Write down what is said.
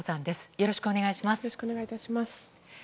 よろしくお願いします。